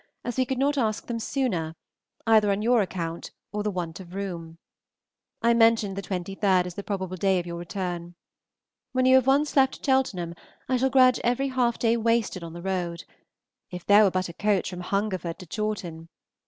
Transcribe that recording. as we could not ask them sooner, either on your account or the want of room. I mentioned the 23rd as the probable day of your return. When you have once left Cheltenham, I shall grudge every half day wasted on the road. If there were but a coach from Hungerford to Chawton!